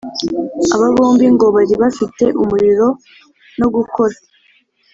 aba bombi ngo bari bafite umuriro no gukora.